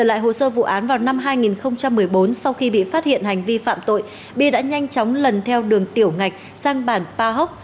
lại hồ sơ vụ án vào năm hai nghìn một mươi bốn sau khi bị phát hiện hành vi phạm tội bi đã nhanh chóng lần theo đường tiểu ngạch sang bản pa hóc